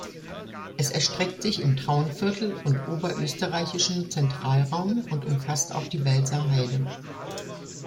Es erstreckt sich im Traunviertel und Oberösterreichischen Zentralraum, und umfasst auch die Welser Heide.